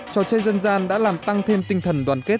trò chơi dân gian đã làm tăng thêm tinh thần đoàn kết